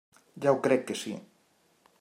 Ja ho crec que sí.